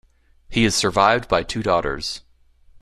He is survived by two daughters.